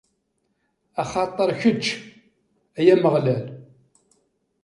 Axaṭer kečč, a Ameɣlal.